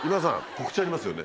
告知ありますよね